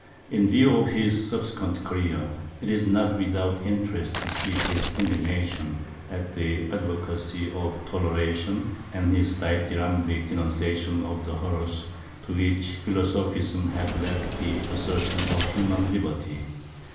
In view of his subsequent career it is not without interest to see his indignation at the advocacy of toleration and his dithyrambic denunciation of the horrors to which philosophism has led in the assertion of human liberty.